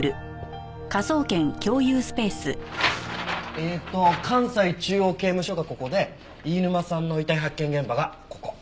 えっと関西中央刑務所がここで飯沼さんの遺体発見現場がここ。